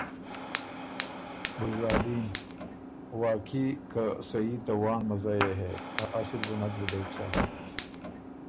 ګلزادین: واقعي که صحیح ته وانړ مزئ يې هې، ا اصل بُو نک بُډېک سَۀ